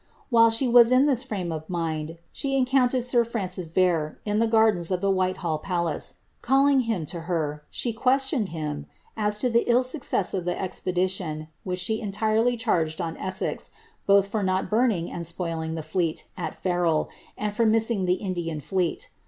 While she was in this frame of mind, she encountered sir Francis Vere, in the gardens of Whitehall palace ; calling him to her, she questioned him, as to the ill success of the expedition, which she entirely charged on Elssex, both for not burning and spoiling the fleet at Ferral, and for missing the In dian fleet.